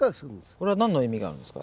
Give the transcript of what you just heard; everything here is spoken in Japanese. これは何の意味があるんですか？